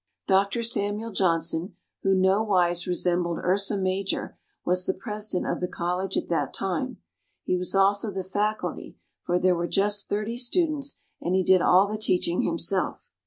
Doctor Samuel Johnson, who nowise resembled Ursa Major, was the president of the College at that time. He was also the faculty, for there were just thirty students and he did all the teaching himself.